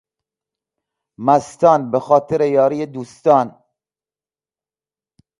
خدا عمرت بده!